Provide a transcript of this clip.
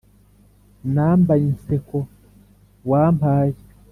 nambaye inseko wampaye.